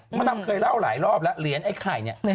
ดำเคยเล่าหลายรอบแล้วเหรียญไอ้ไข่เนี่ย